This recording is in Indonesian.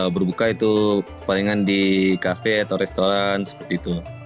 berbuka itu palingan di kafe atau restoran seperti itu